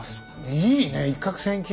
いいねえ一獲千金。